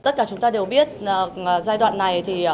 tất cả chúng ta đều biết giai đoạn này